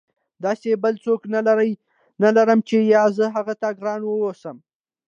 داسې بل څوک نه لرم چې یا زه هغه ته ګرانه واوسم.